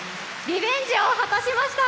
リベンジを果たしました。